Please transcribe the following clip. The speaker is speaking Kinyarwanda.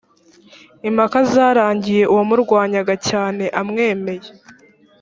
impaka zarangiye uwamurwanyaga cyane amwemeye